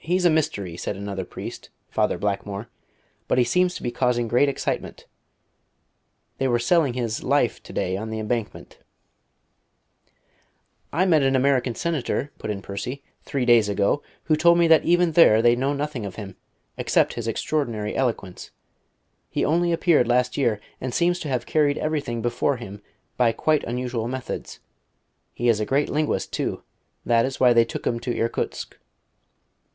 "He's a mystery," said another priest, Father Blackmore; "but he seems to be causing great excitement. They were selling his 'Life' to day on the Embankment." "I met an American senator," put in Percy, "three days ago, who told me that even there they know nothing of him, except his extraordinary eloquence. He only appeared last year, and seems to have carried everything before him by quite unusual methods. He is a great linguist, too. That is why they took him to Irkutsk."